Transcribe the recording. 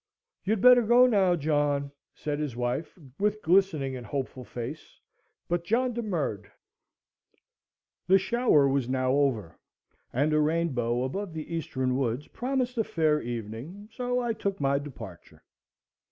"You'd better go now, John," said his wife, with glistening and hopeful face; but John demurred. The shower was now over, and a rainbow above the eastern woods promised a fair evening; so I took my departure.